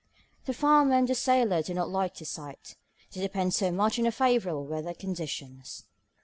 The farmer and the sailor do not like the sight, they depend so much on favourable weather conditions.